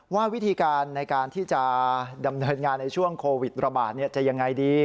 ว่าวิธีการในการที่จะดำเนินงานในช่วงโควิดระบาดจะยังไงดี